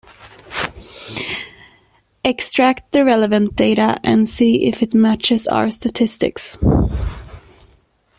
Extract the relevant data and see if it matches our statistics.